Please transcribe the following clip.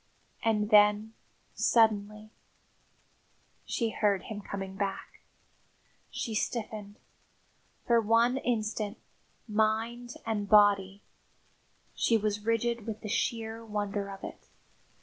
And then suddenly she heard him coming back! She stiffened. For one instant, mind and body, she was rigid with the sheer wonder of it.